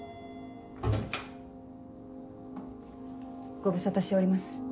ご無沙汰しております